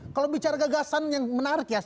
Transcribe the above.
kalau bicara gagasan yang menarik ya